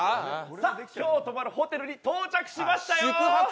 さあ、今日泊まるホテルに到着しましたよ。